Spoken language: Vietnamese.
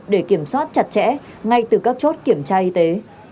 để kiểm soát chặt chẽ ngay từ các chốt kiểm tra y tế